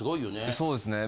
そうですね。